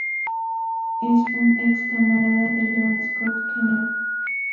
Es un ex camarada de Leon Scott Kennedy.